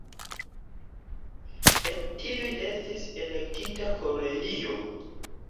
El tiuj estis elektita Koreio.